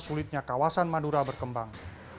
sulitnya kawasan madura berkembang